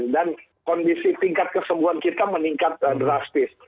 dan kondisi tingkat kesembuhan kita meningkat drastis